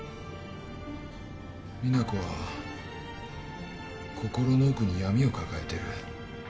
実那子は心の奥に闇を抱えてる。